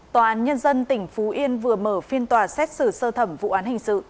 tòa án nhân dân tỉnh phú yên vừa mở phiên tòa xét xử sơ thẩm vụ án hình sự